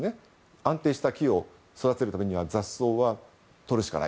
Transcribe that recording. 安定した木を育てるためには雑草は取るしかない。